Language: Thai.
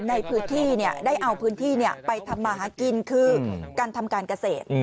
ในพื้นที่ได้เอาพื้นที่ไปทำมาหากินคือการทำการเกษตร